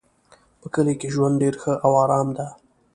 په کلي کې ژوند ډېر ښه او آرام ده